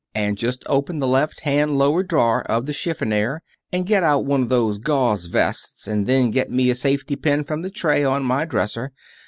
And just open the left hand lower drawer of the chiffonier and get out one of those gauze vests and then get me a safety pin from the tray on my dresser.